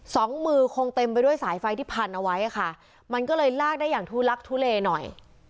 สองมือคงเต็มไปด้วยสายไฟที่พันเอาไว้ค่ะมันก็เลยลากได้อย่างทุลักทุเลหน่อย